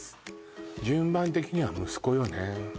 順番的には息子よね